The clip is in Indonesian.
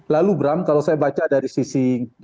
lalu bram kalau saya baca dari sisi